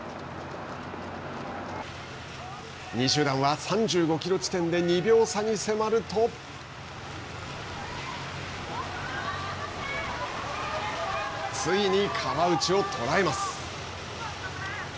２位集団は３５キロ地点で２秒差に迫るとついに川内を捉えます。